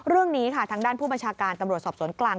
เรื่องนี้ค่ะทางด้านผู้บัญชาการตำรวจสอบสวนกลาง